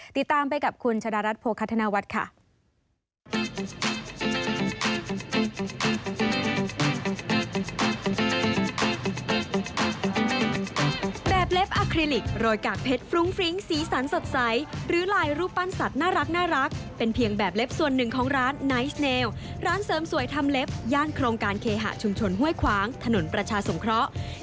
ติดตามไปกับคุณชะดารัฐโภคธนวัฒน์ค่ะ